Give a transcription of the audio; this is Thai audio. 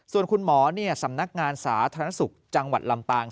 ส่วนคุณหมอสำนักงานสาธารณสุขจังหวัดลำปาง